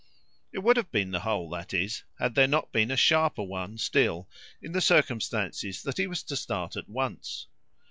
It would have been the whole, that is, had there not been a sharper one still in the circumstance that he was to start at once.